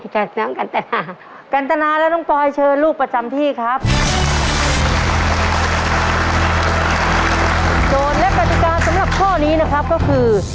โจทย์และประสิกาสำหรับข้อนี้นะครับก็คือ